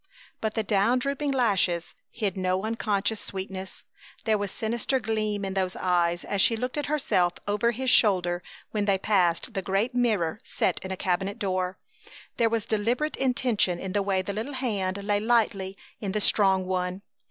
But the down drooping lashes hid no unconscious sweetness. There was sinister gleam in those eyes as she looked at herself over his shoulder when they passed the great mirror set in a cabinet door. There was deliberate intention in the way the little hand lay lightly in the strong one.